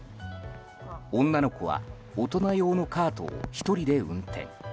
女の子は大人用のカートを１人で運転。